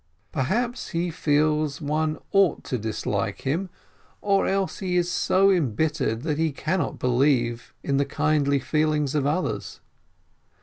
Perhaps he feels one ought to dislike him, or else he is so embittered that he cannot believe in the kindly feelings of others.